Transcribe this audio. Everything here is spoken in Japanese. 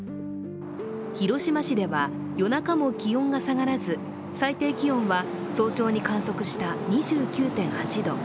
広島市では夜中も気温が下がらず、最低気温は早朝に観測した２９．８度。